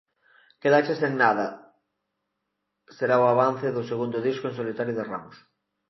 Quedaches sen nada será o avance do segundo disco en solitario de Ramos.